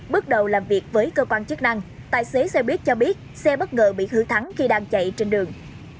bước đầu làm việc với cơ quan chức năng tài xế xe buýt cho biết xe bất ngờ bị hư thắng khi đang chạy trên đường